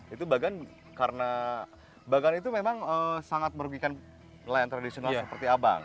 itu bagan karena bagan itu memang sangat merugikan nelayan tradisional seperti abang